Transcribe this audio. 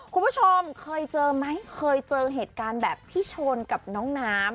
คุณผู้ชมเคยเจอไหมเคยเจอเหตุการณ์แบบพี่ชนกับน้องน้ำ